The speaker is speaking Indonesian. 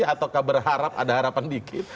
atau berharap ada harapan di dki